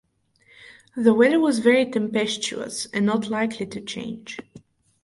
The weather was very tempestuous, and not likely to change.